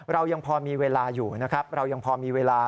เรายังพอมีเวลาอยู่นะครับเรายังพอมีเวลา